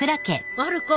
まる子！